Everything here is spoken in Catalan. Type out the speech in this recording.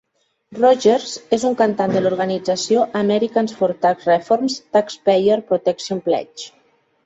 Rogers és un cantant de l'organització Americans for Tax Reform's Taxpayer Protection Pledge.